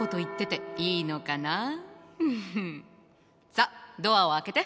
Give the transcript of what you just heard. さっドアを開けて！